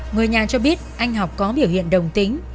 người nhà cho biết anh học có biểu hiện đồng tính